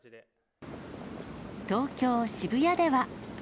東京・渋谷では。